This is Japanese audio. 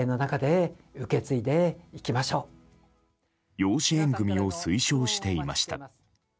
養子縁組を推奨していました。